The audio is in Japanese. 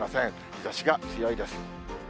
日ざしが強いです。